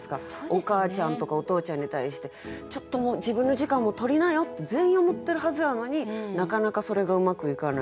お母ちゃんとかお父ちゃんに対してちょっともう自分の時間も取りなよって全員思ってるはずやのになかなかそれがうまくいかない。